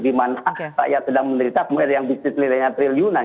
dimana saya sedang menerita kemudian yang bisnis nilainya triliunan